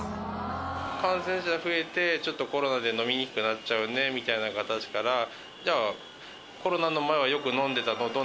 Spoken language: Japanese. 感染者増えてちょっとコロナで飲みにくくなっちゃうねみたいな形からじゃあコロナの前はよく飲んでたの？